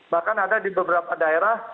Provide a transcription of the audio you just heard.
bahkan ada di beberapa daerah